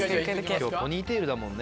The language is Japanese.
今日ポニーテールだもんね。